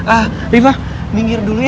ah riva minggir dulu ya